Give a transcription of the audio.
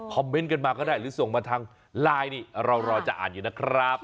เมนต์กันมาก็ได้หรือส่งมาทางไลน์นี่เรารอจะอ่านอยู่นะครับ